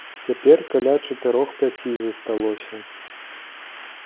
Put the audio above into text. Цяпер каля чатырох-пяці засталося.